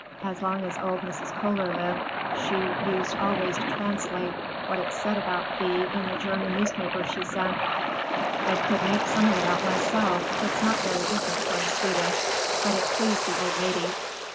As long as old Mrs. Kohler lived, she used always to translate what it said about Thea in the German papers she sent. I could make some of it out myself,—it's not very different from Swedish,—but it pleased the old lady.